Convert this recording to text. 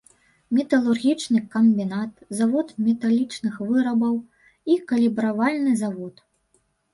Металургічны камбінат, завод металічных вырабаў і калібравальны завод.